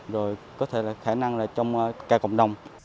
rồi có thể là khả năng trong cài cộng đồng